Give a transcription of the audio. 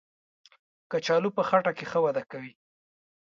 کچالو په خټه کې ښه وده کوي